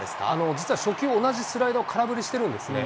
実は初球、同じスライダーを空振りしてるんですね。